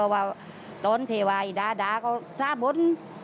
ว่าตอนเทวาอีดาก็ทราบบุญ